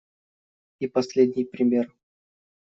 И последний пример.